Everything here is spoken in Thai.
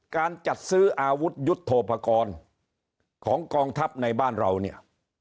การจัดซื้ออาวุธยุทธโทพกรของกองทัพในบ้านเราเนี่ย